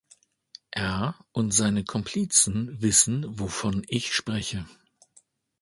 Er und seine Komplizen wissen, wovon ich spreche.